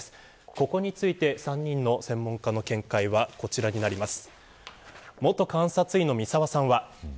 ここについて、３人の専門家の見解はこちらです。